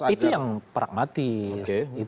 itu yang pragmatis